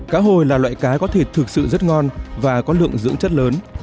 cá hồi là loại cá có thể thực sự rất ngon và có lượng dưỡng chất lớn